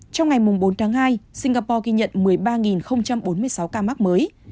trong ngày bốn tháng hai singapore ghi nhận một mươi ba bốn mươi sáu ca mắc mới